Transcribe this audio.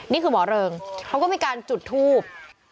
นี่คือหมอเริงเขาก็มีการจุดทูบ